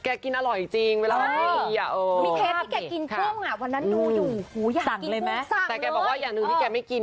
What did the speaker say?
เออหรือว่าแชมพูครีมนดผมครีมบำรุงผมอะไรนี้